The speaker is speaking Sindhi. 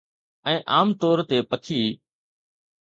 ۽ عام طور تي پکي